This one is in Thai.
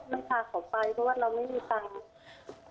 ไม่พาเขาไปเพราะว่าเราไม่มีตังค์